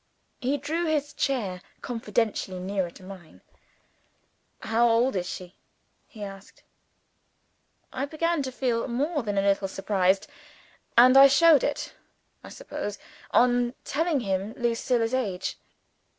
He drew his chair confidentially nearer to mine. "How old is she?" he asked. I began to feel more than a little surprised; and I showed it, I suppose, on telling him Lucilla's age.